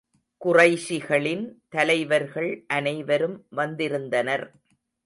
குறைஷிகளின் தலைவர்கள் அனைவரும் வந்திருந்தனர்.